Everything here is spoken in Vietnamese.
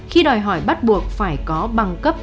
khi đòi hỏi bắt buộc phải có bằng cấp